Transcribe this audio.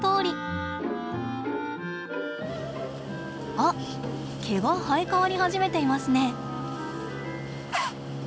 あ毛が生え変わり始めていますね。